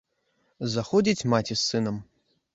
Заходзіць маці з сынам.